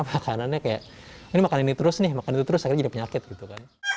karena makanannya kayak ini makan ini terus nih makan itu terus akhirnya jadi penyakit gitu kan